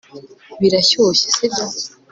birashyushye , sibyo